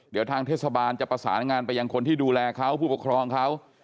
เดี๋ยวทางเทศบาลจะประสานงานไปยังคนที่ดูแลเขาผู้ปกครองเขา